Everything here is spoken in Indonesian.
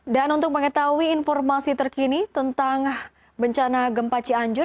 dan untuk mengetahui informasi terkini tentang bencana gempa cianjur